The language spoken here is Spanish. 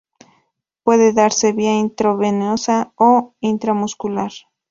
Puede darse vía intravenosa o intramuscular.